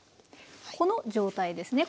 この状態ですね。